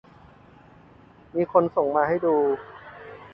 มีคนส่งมาให้ดู